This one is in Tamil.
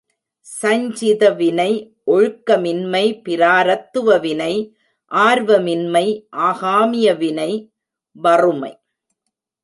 சஞ்சித வினை ஒழுக்கமின்மை பிராரத்துவ வினை ஆர்வமின்மை ஆகாமிய வினை வறுமை.